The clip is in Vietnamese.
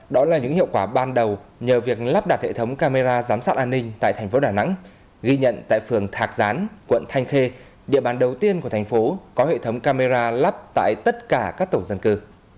đó là những hiệu quả ban đầu nhờ việc lắp đặt hệ thống camera giám sát an ninh tại thành phố đà nẵng ghi nhận tại phường thạc gián quận thanh khê địa bàn đầu tiên của thành phố có hệ thống camera lắp tại tất cả các tổ dân cư